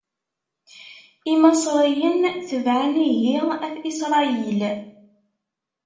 Imaṣriyen tebɛen ihi At Isṛayil.